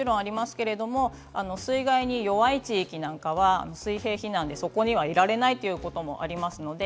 水害に弱い地域なんかは水平避難でそこにはいられないということもあります。